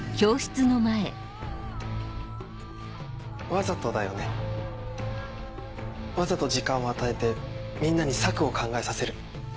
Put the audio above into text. わざとだよね？わざと時間を与えてみんなに策を考えさせる。